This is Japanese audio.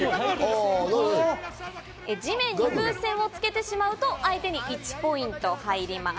地面に風船をつけてしまうと相手に１ポイント入ります。